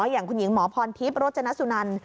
อย่างคุณหญิงหมอพรทิพย์โรจนสุนัน